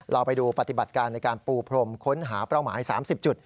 เราไปดูปฏิบัติการในการปูพรมค้นหาเป้าหมาย๓๐จุด